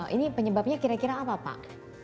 ini penyebabnya kira kira apa pak